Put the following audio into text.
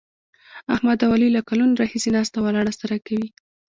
احمد او علي له کلونو راهسې ناسته ولاړه سره کوي.